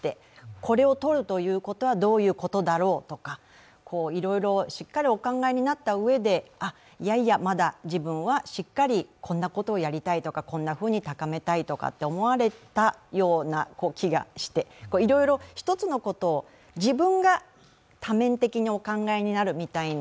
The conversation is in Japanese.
これをとるということはどういうことだろうとか、いろいろしっかりお考えになったうえでいやいやまだ自分はしっかりこんなことをやりたいとかこんなふうに高めたいとかって思われたような気がしていろいろ、一つのことを、自分が多面的にお考えになるみたいな